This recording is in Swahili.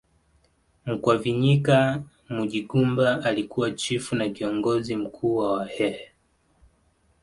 Mkwavinyika Munyigumba alikuwa chifu na kiongozi mkuu wa wahehe